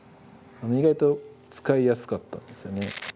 意外と使いやすかったんですよね。